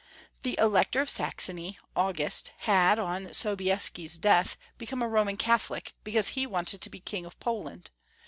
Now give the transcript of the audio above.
The Elector of Saxony, August, had, on So bieski's death, become a Roman Catholic, because he wanted to be King of Poland.